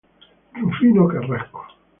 Rufino Carrasco.